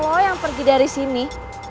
oh yang pergi dari sini